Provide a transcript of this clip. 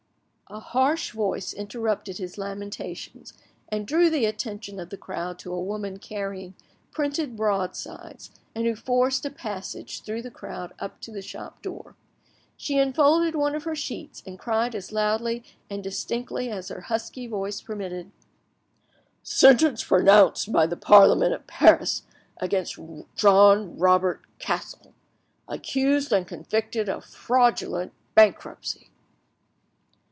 A harsh voice interrupted his lamentations, and drew the attention of the crowd to a woman carrying printed broadsides, and who forced a passage through the crowd up to the shop door. She unfolded one of her sheets, and cried as loudly and distinctly as her husky voice permitted— "Sentence pronounced by the Parliament of Paris against John Robert Cassel, accused and convicted of Fraudulent Bankruptcy!"